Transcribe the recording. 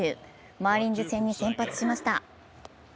マーリンズ戦に先発しました。